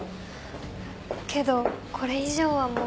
けどこれ以上はもう。